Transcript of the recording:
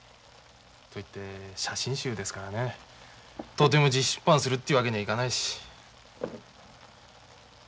と言って写真集ですからねとても自費出版するというわけにはいかないし。